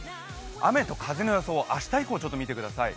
雨と風の予想を明日以降、見てください。